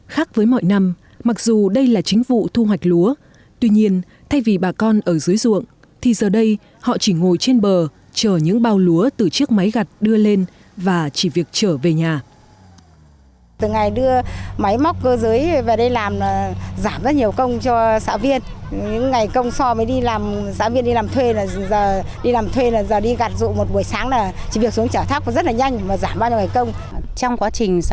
khác với mọi năm mặc dù đây là chính vụ thu hoạch lúa tuy nhiên thay vì bà con ở dưới ruộng thì giờ đây họ chỉ ngồi trên bờ chờ những bao lúa từ chiếc máy gặt đưa lên và chỉ việc chở về nhà